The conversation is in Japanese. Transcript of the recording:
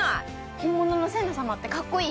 本物の瀬那様ってかっこいい？